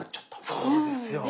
そうです。